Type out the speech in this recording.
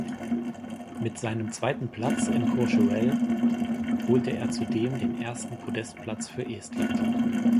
Mit seinem zweiten Platz in Courchevel holte er zudem den ersten Podestplatz für Estland.